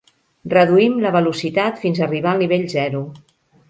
Reduïm la velocitat fins arribar al nivell zero.